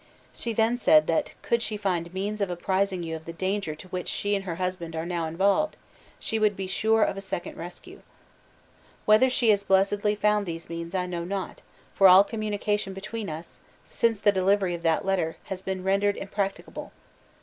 She then said that could she find means of apprising you of the danger to which she and her husband are now involved, she would be sure of a second rescue. Whether she has blessedly found these means I know not, for all communication between us, since the delivery of that letter, has been rendered impracticable.